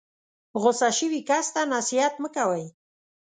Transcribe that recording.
غسه شوي کس ته نصیحت مه کوئ.